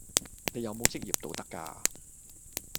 你有冇職業道德㗎？